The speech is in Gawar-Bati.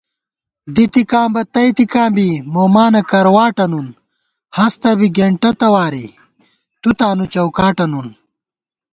دِتِکاں بہ تئی تِکاں بی، مومانہ کرواٹہ نُن * ہستہ بی گېنٹہ تواری تُو تانُو چوکاٹہ نُن